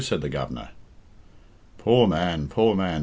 said the Governor. "Poor man, poor man!"